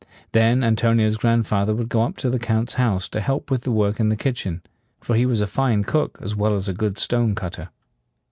Then Antonio's grandfather would go up to the Count's house to help with the work in the kitchen; for he was a fine cook as well as a good stone cut ter.